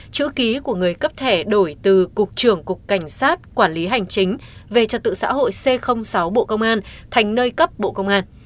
chữ ký của người cấp thẻ đổi từ cục trưởng cục cảnh sát quản lý hành chính về trật tự xã hội c sáu bộ công an thành nơi cấp bộ công an